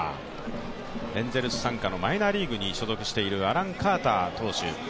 エンゼルス傘下のマイナーリーグに所属しているアラン・カーター投手。